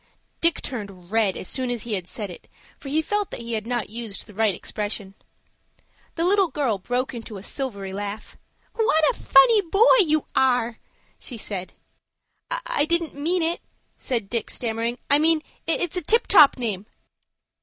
Dick turned red as soon as he had said it, for he felt that he had not used the right expression. The little girl broke into a silvery laugh. "What a funny boy you are!" she said. "I didn't mean it," said Dick, stammering. "I meant it's a tip top name."